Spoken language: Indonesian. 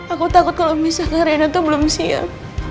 aku takut kalo misalnya rena tuh belum siap